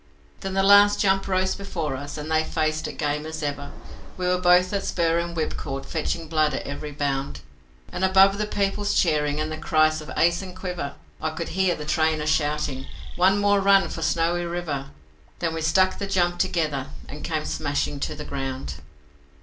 Then the last jump rose before us, and they faced it game as ever We were both at spur and whipcord, fetching blood at every bound And above the people's cheering and the cries of 'Ace' and 'Quiver', I could hear the trainer shouting, 'One more run for Snowy River.' Then we struck the jump together and came smashing to the ground.